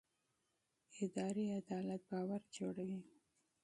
اداري عدالت باور جوړوي